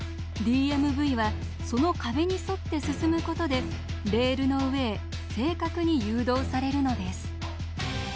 ＤＭＶはその壁に沿って進むことでレールの上へ正確に誘導されるのです。